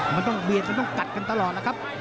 มันต้องเบียดมันต้องกัดกันตลอดล่ะครับ